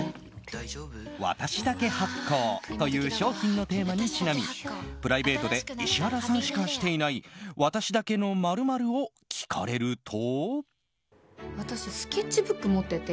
私だけ発香という商品のテーマにちなみプライベートで石原さんしかしていない私だけの○○を聞かれると。